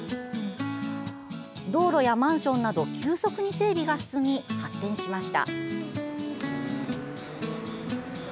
道路やマンションなど急速に整備が進み、発展しました。